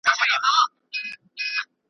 خو په منځ کي دا یو سوال زه هم لرمه .